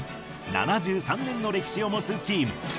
７３年の歴史を持つチーム。